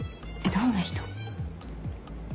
どんな人。